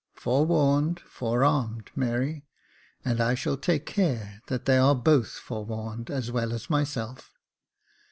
"Forewarned, forearmed, Mary; and I shall take care that they are both forewarned as well as myself.